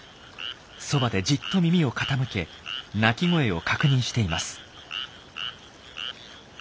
そばでじっと耳を傾け鳴き声を確認しています。